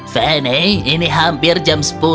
fanny ini hampir jam sepuluh